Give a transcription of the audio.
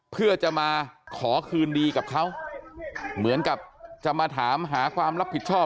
เพื่อจะมาขอคืนดีกับเขาเหมือนกับจะมาถามหาความรับผิดชอบ